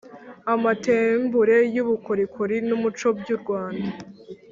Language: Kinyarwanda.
Amatembure y ubukorikori n umuco by u rwanda